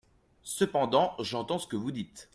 Cependant, j’entends ce que vous dites.